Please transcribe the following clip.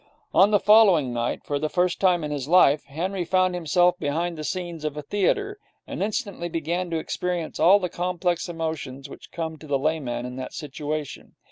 On the following night, for the first time in his life, Henry found himself behind the scenes of a theatre, and instantly began to experience all the complex emotions which come to the layman in that situation.